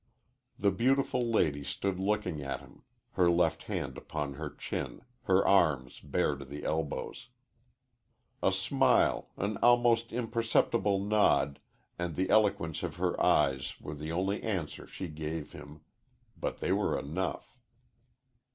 "The beautiful lady" stood looking at him, her left hand upon her chin, her arms bare to the elbows. A smile, an almost imperceptible nod, and the eloquence of her eyes were the only answer she gave him, but they were enough.